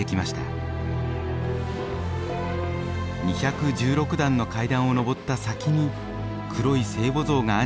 ２１６段の階段を上った先に黒い聖母像が安置された教会があります。